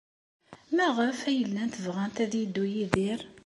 Maɣef ay llant bɣant ad yeddu Yidir?